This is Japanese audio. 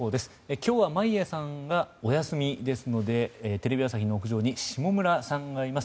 今日は眞家さんがお休みですのでテレビ朝日の屋上に下村さんがいます。